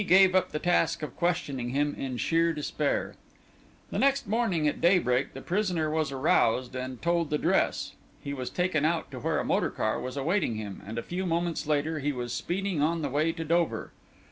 gave up the task of questioning him in sheer despair. The next morning at daybreak the prisoner was aroused and told to dress. He was taken out to where a motor car was awaiting him, and a few moments later he was speeding on the way to Dover.